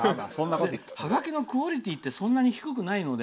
はがきのクオリティーってそんなに低くないので。